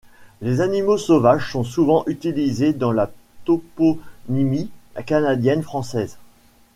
Les animaux sauvages sont souvent utilisés dans la toponymie canadienne française.